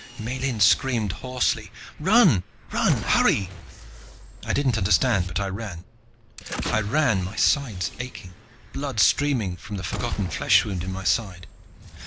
Miellyn screamed hoarsely. "Run. Run, hurry!" I didn't understand, but I ran. I ran, my sides aching, blood streaming from the forgotten flesh wound in my side.